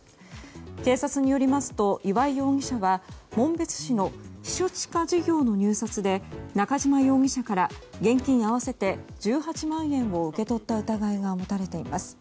警察によりますと岩井容疑者は紋別市の避暑地化事業の入札で中島容疑者から現金合わせて１８万円を受け取った疑いが持たれています。